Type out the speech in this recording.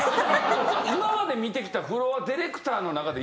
今まで見てきたフロアディレクターの中で。